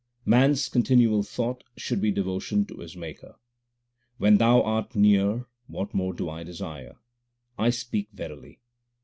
Man s continual thought should be devotion to his Maker : When Thou art near, what more do I desire ? I speak verily.